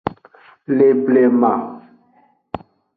Le blema.